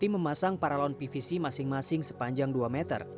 tim bmkg indonesia memasang paralon pvc masing masing sepanjang dua meter